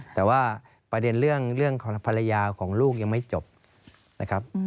แต่ว่าประเด็นเรื่องของภรรยาของลูกยังไม่จบนะครับ